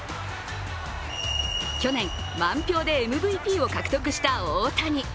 去年、満票でＭＶＰを獲得した大谷。